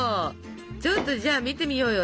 ちょっとじゃあ見てみようよ